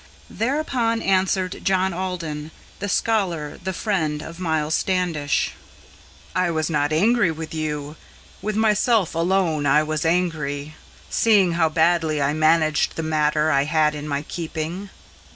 Thereupon answered John Alden, the scholar, the friend of Miles Standish: "I was not angry with you, with myself alone I was angry, Seeing how badly I managed the matter I had in my keeping."